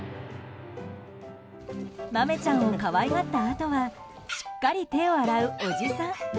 マメちゃんを可愛がったあとはしっかり手を洗うおじさん。